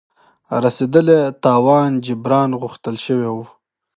رسېدلي تاوان جبران غوښتل شوی وو.